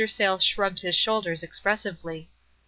Sayles shrugged his shoulders expres sively.